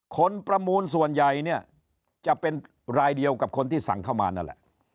ประมูลส่วนใหญ่เนี่ยจะเป็นรายเดียวกับคนที่สั่งเข้ามานั่นแหละ